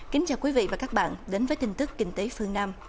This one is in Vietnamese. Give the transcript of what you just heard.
xin chào các bạn và hẹn gặp lại